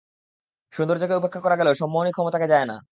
সৌন্দর্যকে উপেক্ষা করা গেলেও সম্মোহনী ক্ষমতাকে যায় না।